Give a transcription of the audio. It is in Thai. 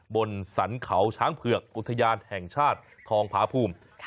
บนสรรเขาช้างเผือกอุทยานแห่งชาติทองพาภูมิ